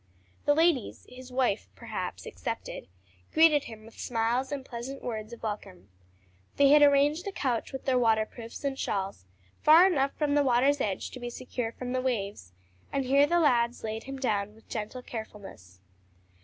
The ladies his wife, perhaps, excepted, greeted him with smiles and pleasant words of welcome. They had arranged a couch with their waterproofs and shawls, far enough from the water's edge to be secure from the waves, and here the lads laid him down with gentle carefulness.